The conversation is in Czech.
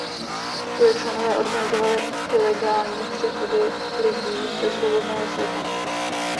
Jeho členové organizovali ilegální přechody lidí do svobodného světa.